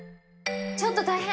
ちょっと大変。